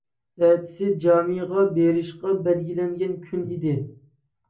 ئەتىسى جامىغا بېرىشقا بەلگىلەنگەن كۈن ئىدى.